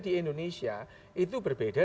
di indonesia itu berbeda